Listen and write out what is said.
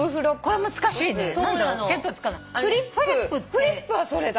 フリップはそれだ。